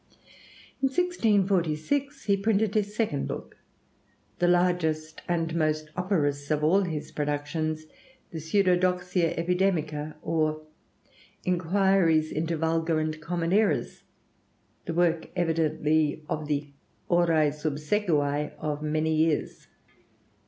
In 1646 he printed his second book, the largest and most operose of all his productions: the 'Pseudodoxia Epidemica, or Inquiries into Vulgar and Common Errors' the work evidently of the horæ subsecivæ of many years.